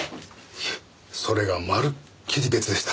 いえそれがまるっきり別でした。